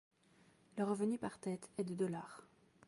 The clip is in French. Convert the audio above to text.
Le revenu par tête est de dollars.